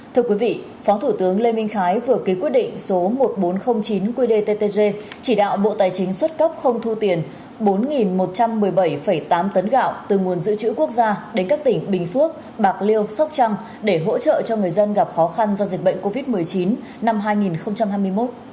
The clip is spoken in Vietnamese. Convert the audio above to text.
thưa quý vị phó thủ tướng lê minh khái vừa ký quyết định số một nghìn bốn trăm linh chín qdttg chỉ đạo bộ tài chính xuất cấp không thu tiền bốn một trăm một mươi bảy tám tấn gạo từ nguồn dự trữ quốc gia đến các tỉnh bình phước bạc liêu sóc trăng để hỗ trợ cho người dân gặp khó khăn do dịch bệnh covid một mươi chín năm hai nghìn hai mươi một